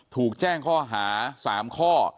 ถูกแจ้งข้อหา๓ข้อ